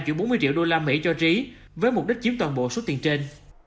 chửi bốn mươi triệu đô la mỹ cho trí với mục đích chiếm toàn bộ số tiền trên